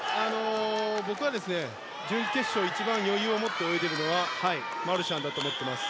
僕は準決勝一番余裕を持って泳いだのはマルシャンだと思っています。